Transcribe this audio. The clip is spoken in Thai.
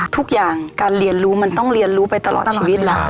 ทุกอย่างการเรียนรู้มันต้องเรียนรู้ไปตลอดชีวิตแหละ